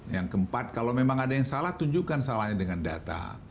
yang keempat kalau memang ada yang salah tunjukkan salahnya dengan data